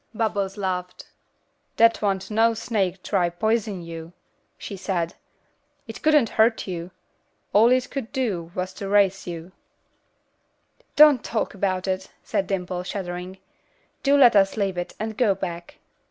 Bubbles laughed. "Dat wan't no snake to pison yuh," she said. "It couldn't hurt yuh. All it could do was to race yuh." "Don't talk about it," said Dimple, shuddering. "Do let us leave it, and go back."